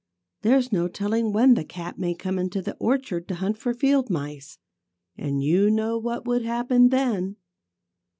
There's no telling when the cat may come into the orchard to hunt for field mice. And you know what would happen then."